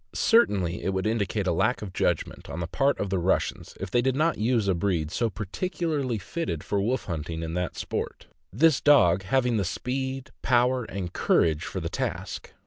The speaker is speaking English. Certainly it would indicate a lack of judgment on the part of the Rus sians if they did not use a breed so peculiarly fitted for wolf hunting in that sport; this dog having the speed, power, and courage for the task.